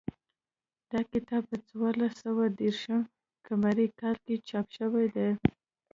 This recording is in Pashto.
دا کتاب په څوارلس سوه دېرش قمري کال کې چاپ شوی دی